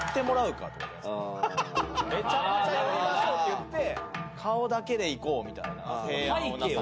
「めちゃくちゃ寄りましょう」って言って「顔だけでいこう」みたいな提案を。